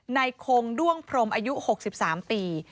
ในคงด้วงพรมอายุ๖๓ปี